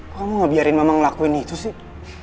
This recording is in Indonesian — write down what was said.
kok kamu gak biarin mama ngelakuin itu sih